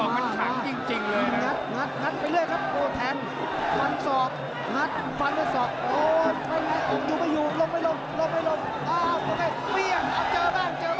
มันถังจริงเลยนะงัดไปเรื่อยครับโอ้แทนฟันศอกงัดฟันศอกโอ้ไปไงอ๋ออยู่ไม่อยู่ลงไม่ลงลงไม่ลงอ้าวโอเคเปรี้ยงเอาเจอบ้างเจอบ้าง